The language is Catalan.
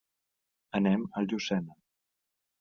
Anem a Llucena.